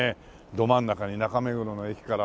ど真ん中に中目黒の駅からね